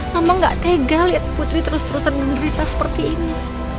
mama gak tega liat putri terus terusan ngerita seperti ini